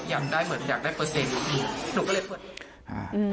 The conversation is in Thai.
อยากได้เหมือนอยากได้เปอร์เซ็นต์หนูหนูก็เลยเปอร์เซ็นต์